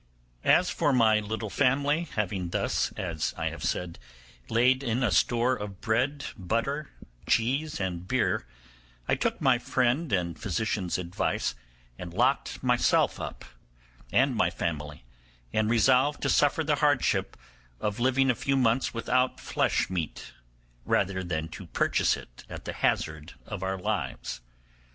As for my little family, having thus, as I have said, laid in a store of bread, butter, cheese, and beer, I took my friend and physician's advice, and locked myself up, and my family, and resolved to suffer the hardship of living a few months without flesh meat, rather than to purchase it at the hazard of our lives.